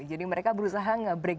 jadi mereka berusaha nggak berusaha